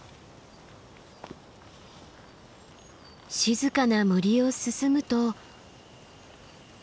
静かな森を進むと。